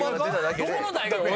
どこの大学や？